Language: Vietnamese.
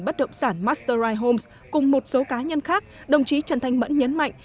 bất động sản mastery homes cùng một số cá nhân khác đồng chí trần thanh mẫn nhấn mạnh